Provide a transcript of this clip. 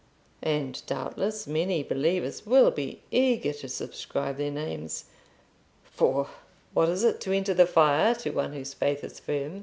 And doubtless many believers will be eager to subscribe their names. For what is it to enter the fire, to one whose faith is firm?